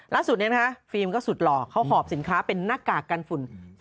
ลักษุนเนี่ยนะฮะฟิล์มก็สุดหลอกเขาหอบสินค้าเป็นหน้ากากกันฝุ่น